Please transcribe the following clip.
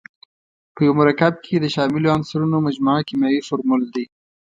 په یو مرکب کې د شاملو عنصرونو مجموعه کیمیاوي فورمول دی.